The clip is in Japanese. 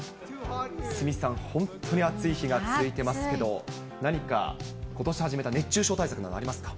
鷲見さん、本当に暑い日が続いてますけど、何か、ことし始めた熱中症対策など、ありますか？